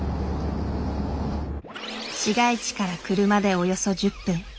市街地から車でおよそ１０分。